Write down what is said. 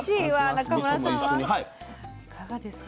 中村さんはいかがですか？